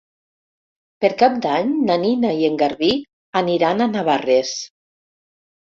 Per Cap d'Any na Nina i en Garbí aniran a Navarrés.